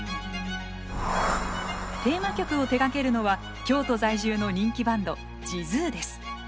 テーマ曲を手がけるのは京都在住の人気バンドｊｉｚｕｅです。